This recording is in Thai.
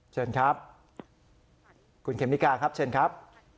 เชิญครับคุณเขมิกาครับเชิญครับ